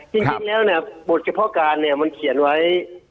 จริงแล้วบทเฉพาะการมันเขียนไว้